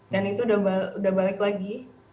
dan itu sudah balik lagi